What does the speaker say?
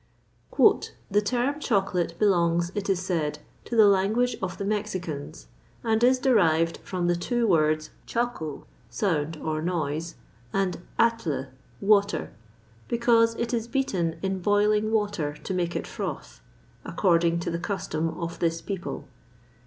"The term chocolate belongs, it is said, to the language of the Mexicans, and is derived from the two words choco, sound or noise, and atle, water, because it is beaten in boiling water to make it froth, according to the custom of this people.